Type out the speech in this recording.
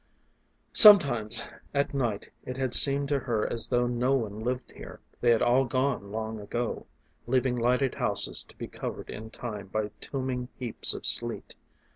Sometimes at night it had seemed to her as though no one lived here they had all gone long ago leaving lighted houses to be covered in time by tombing heaps of sleet.